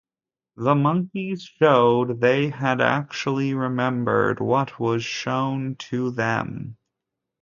The monkeys showed they had actually remembered what was shown to them.